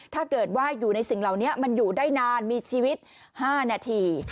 ถ้าเกิดว่าอยู่ในสิ่งเหล่านี้มันอยู่ได้นานมีชีวิต๕นาที